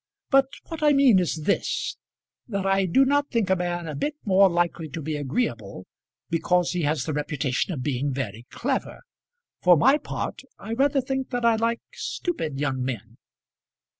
But what I mean is this, that I do not think a man a bit more likely to be agreeable because he has the reputation of being very clever. For my part I rather think that I like stupid young men."